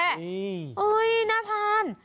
นี่น่าทาน